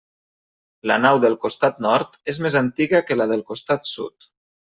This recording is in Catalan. La nau del costat nord és més antiga que la del costat sud.